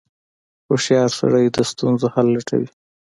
• هوښیار سړی د ستونزو حل لټوي.